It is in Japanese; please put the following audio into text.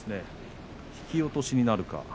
引き落としになるか。